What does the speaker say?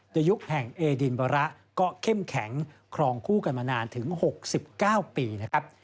โดยยุคแห่งเอดินบระก็เข้มแข็งครองคู่กันมานานถึง๖๙ปีนะครับ